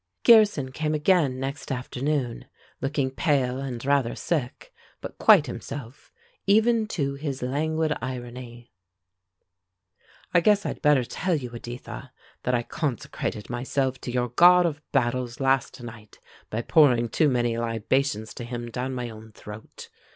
Gearson came again next afternoon, looking pale, and rather sick, but quite himself, even to his languid irony. "I guess I'd better tell you, Editha, that I consecrated myself to your god of battles last night by pouring too many libations to him down my own throat.